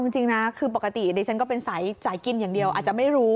จริงนะคือปกติดิฉันก็เป็นสายกินอย่างเดียวอาจจะไม่รู้